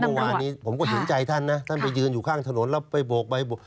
เมื่อวานนี้ผมก็เห็นใจท่านนะท่านไปยืนอยู่ข้างถนนแล้วไปโบกใบ